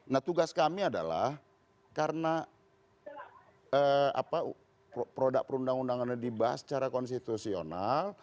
nah tugas kami adalah karena produk perundang undangannya dibahas secara konstitusional